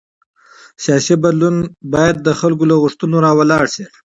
سیاسي بدلون باید د خلکو له غوښتنو راولاړ شي